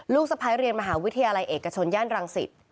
สะพ้ายเรียนมหาวิทยาลัยเอกชนย่านรังสิต